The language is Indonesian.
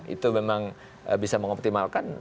itu memang bisa mengoptimalkan